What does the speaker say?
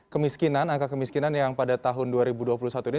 kemiskinan angka kemiskinan yang pada tahun dua ribu dua puluh satu ini